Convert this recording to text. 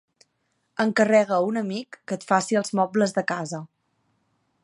Encarrega a un amic que et faci els mobles de casa.